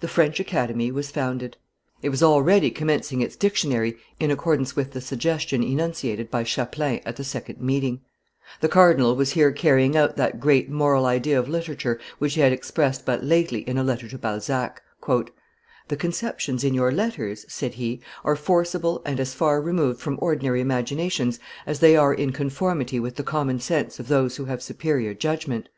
The French Academy was founded; it was already commencing its Dictionary in accordance with the suggestion enunciated by Chapelain at the second meeting; the cardinal was here carrying out that great moral idea of literature which he had expressed but lately in a letter to Balzac: "The conceptions in your letters," said he, "are forcible and as far removed from ordinary imaginations as they are in conformity with the common sense of those who have superior judgment.